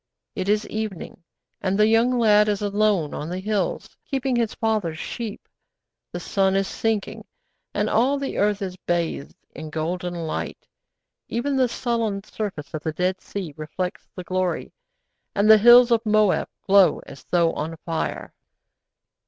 It is evening, and the young lad is alone on the hills, keeping his father's sheep. The sun is sinking, and all the earth is bathed in golden light. Even the sullen surface of the Dead Sea reflects the glory, and the hills of Moab glow as though on fire.